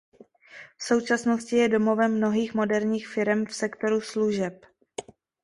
V současnosti je domovem mnohých moderních firem v sektoru služeb.